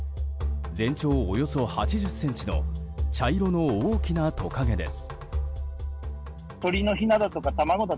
全長およそ８０ｃｍの茶色の大きなトカゲです。